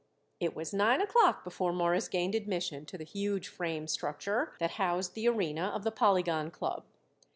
It was nine o'clock before Morris gained admission to the huge frame structure that housed the arena of the Polygon Club.